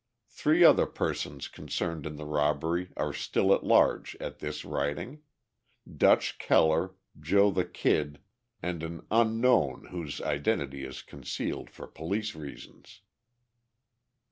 Three other persons concerned in the robbery are still at large at this writing—"Dutch" Keller, "Joe the Kid," and an "unknown" whose identity is concealed for police reasons.